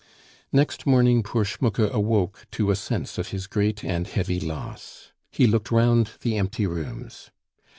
Next morning poor Schmucke awoke to a sense of his great and heavy loss. He looked round the empty rooms.